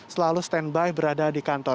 selalu stand by berada di kantor